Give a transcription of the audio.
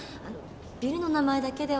ビルの名前だけでは。